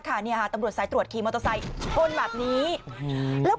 ค่ะเนี่ยค่ะตำรวจสายตรวจขี่มอเตอร์ไซค์ชนแบบนี้แล้ว